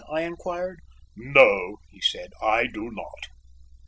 I inquired. "No," he said, "I do not."